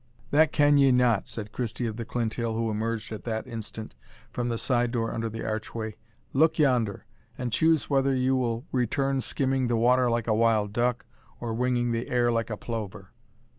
"That can ye not," said Christie of the Clinthill, who emerged at that instant from the side door under the archway. "Look yonder, and choose whether you will return skimming the water like a wild duck, or winging the air like a plover."